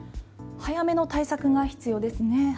早めの対策が必要ですね。